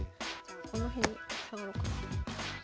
この辺に下がろうかな。